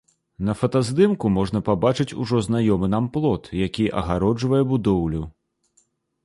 На фатаздымку можна пабачыць ужо знаёмы нам плот, які агароджвае будоўлю.